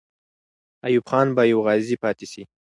ایوب خان به یو غازی پاتې سي.